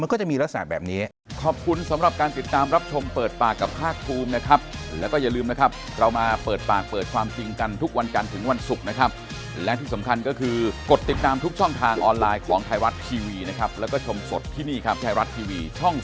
มันก็จะมีรักษาแบบนี้